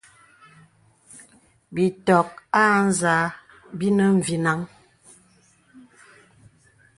Bìtɔ̀k â zā bìnə mvinəŋ.